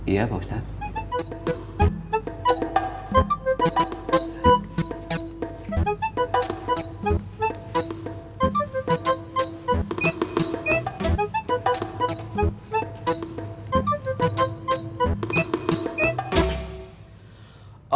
iya pak ustadz